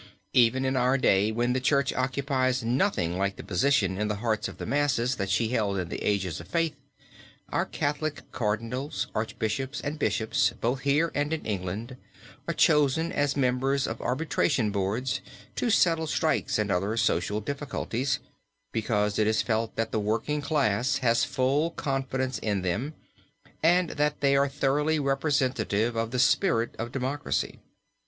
Even in our day, when the Church occupies nothing like the position in the hearts of the masses that she held in the ages of faith, our Catholic Cardinals, Archbishops and Bishops, both here and in England, are chosen as members of arbitration boards to settle strikes and other social difficulties, because it is felt that the working class has full confidence in them, and that they are thoroughly representative of the spirit of democracy.